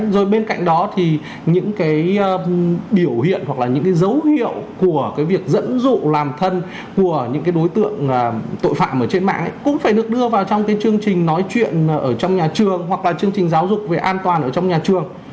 rồi bên cạnh đó thì những cái biểu hiện hoặc là những cái dấu hiệu của cái việc dẫn dụ làm thân của những cái đối tượng tội phạm ở trên mạng cũng phải được đưa vào trong cái chương trình nói chuyện ở trong nhà trường hoặc là chương trình giáo dục về an toàn ở trong nhà trường